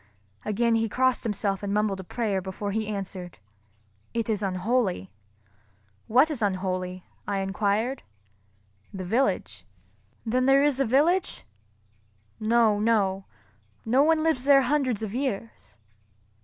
Again he crossed himself and mumbled a prayer before he answered, "It is unholy." "What is unholy?" I enquired. "The village." "Then there is a village?" "No, no. No one lives there hundreds of years."